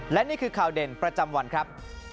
และนี่คือข่าวเด่นประจำวันครับ